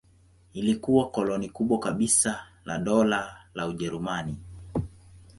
Ilikuwa koloni kubwa kabisa la Dola la Ujerumani.